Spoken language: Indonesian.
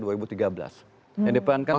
yang diperankan oleh anak anak